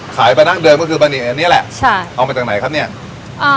ประดั้งเดิมก็คือบะหมี่อันนี้แหละใช่เอามาจากไหนครับเนี้ยอ่า